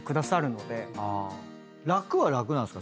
楽は楽なんすか？